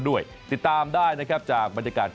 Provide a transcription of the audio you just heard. ด้วยติดตามได้นะครับจากบรรยากาศของ